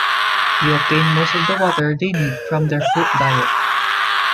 They obtain most of the water they need from their fruit diet.